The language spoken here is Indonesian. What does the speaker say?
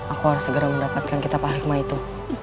aku harus segera mendapatkan kita pahala hikmah itu